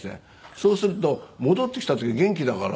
そうすると戻ってきた時元気だから。